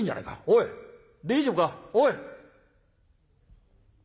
おい大丈夫か？おい」。